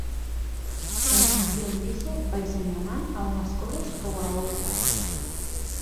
En función diso váiseme a man a unhas cores ou a outras.